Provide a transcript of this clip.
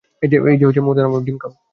এই যে, মুর্দামানব, ডিম খাও।